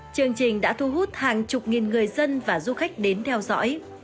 chương trình đã thu hút hàng chục nghìn người dân và du khách đến theo dõi